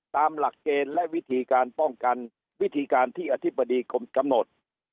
ตามหลักเกณฑ์และวิธีการป้องกันวิธีการที่อธิบดีกรมกำหนด